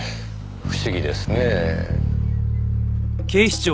不思議ですねぇ。